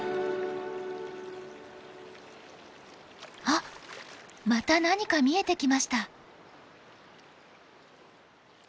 あっまた何か見えてきました。